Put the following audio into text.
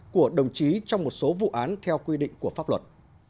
của đồng chí trong một số vụ án theo quy định của pháp luật